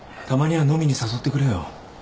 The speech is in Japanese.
たまには飲みに誘ってくれよ